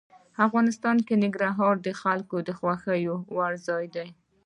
افغانستان کې ننګرهار د خلکو د خوښې وړ ځای دی.